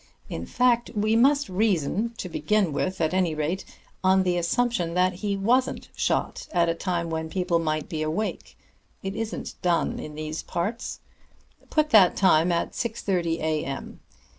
In fact, we must reason to begin with, at any rate on the assumption that he wasn't shot at a time when people might be awake it isn't done in these parts. Put that time at six thirty A. M.